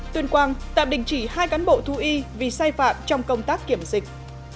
tuyền quang tạm đình chỉ hai cán bộ thu y vì sai phạm trong công tác kiểm dịch